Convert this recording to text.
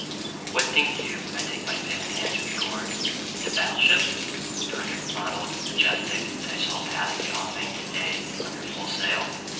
WHAT think you I take my pen in hand to record? The battle ship, perfect model'd, majestic, that I saw pass the offing to day under full sail?